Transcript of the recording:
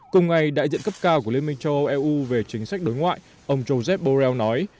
cùng ngày đại diện cấp cao của liên minh châu âu eu về chính sách đối ngoại ông josep borrell nói